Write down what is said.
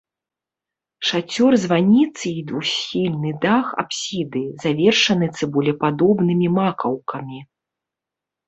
Шацёр званіцы і двухсхільны дах апсіды завершаны цыбулепадобнымі макаўкамі.